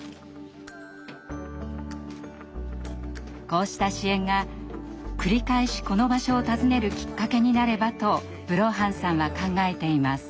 こうした支援が繰り返しこの場所を訪ねるきっかけになればとブローハンさんは考えています。